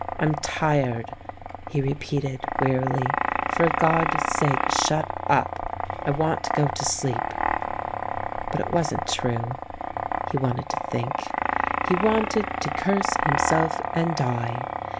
"I'm tired," he repeated, wearily. "For God's sake, shut up! I want to go to sleep." But it wasn't true — he wanted to think; he wanted to curse himself and die.